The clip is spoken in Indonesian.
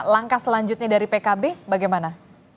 langkah selanjutnya dari pkb bagaimana